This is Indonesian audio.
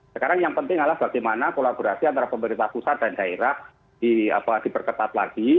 sekarang yang penting adalah bagaimana kolaborasi antara pemerintah pusat dan daerah diperketat lagi